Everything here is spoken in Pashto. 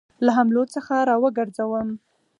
له حملو څخه را وګرځوم.